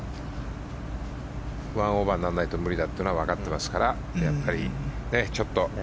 １オーバーにならないとだめだというのは分かってますからやっぱり、ちょっとね。